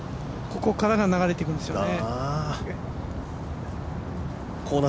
ここからが流れていくんですよね。